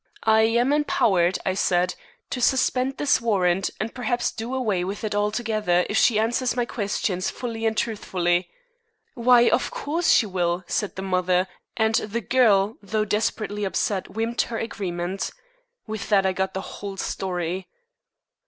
'I am empowered,' I said, 'to suspend this warrant, and perhaps do away with it altogether, if she answers my questions fully and truthfully.' 'Why, of course she will,' said the mother, and the girl, though desperately upset, whimpered her agreement. With that I got the whole story."